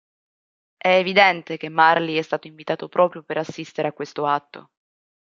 È evidente che Marley è stato invitato proprio per assistere a questo atto.